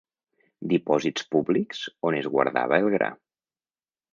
Dipòsits públics on es guardava el gra.